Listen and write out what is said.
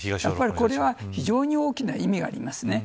これは非常に大きな意味があります。